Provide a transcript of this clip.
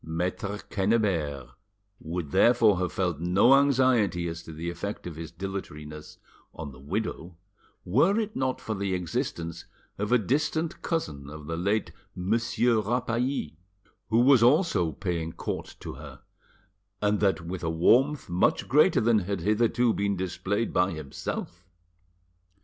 Maitre Quennebert would therefore have felt no anxiety as to the effect of his dilatoriness on the widow, were it not for the existence of a distant cousin of the late Monsieur Rapally, who was also paying court to her, and that with a warmth much greater than had hitherto been displayed by himself.